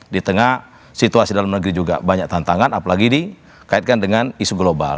di tengah situasi dalam negeri juga banyak tantangan apalagi dikaitkan dengan isu global